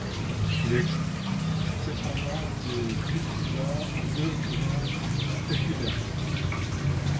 Il existe cependant des cultivars à deux grains par épillet.